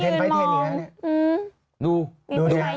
มีผู้ชายยืนมองกัน